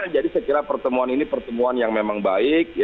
jadi saya kira pertemuan ini pertemuan yang memang baik